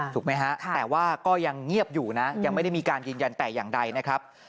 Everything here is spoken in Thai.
ถูกไหมฮะแต่ว่าก็ยังเงียบอยู่นะยังไม่ได้มีการยืนยันแต่อย่างใดนะครับ